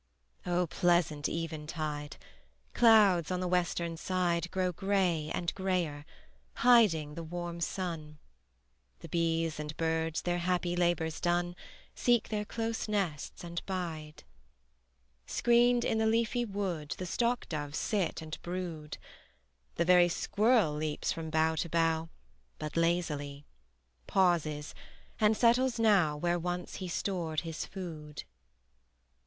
O pleasant eventide! Clouds on the western side Grow gray and grayer, hiding the warm sun: The bees and birds, their happy labors done, Seek their close nests and bide. Screened in the leafy wood The stock doves sit and brood: The very squirrel leaps from bough to bough But lazily; pauses; and settles now Where once he stored his food.